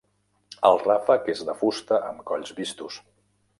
El ràfec és de fusta amb colls vistos.